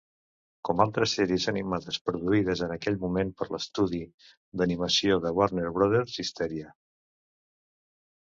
Com altres sèries animades produïdes en aquell moment per l'estudi d'animació de Warner Brothers, Histeria!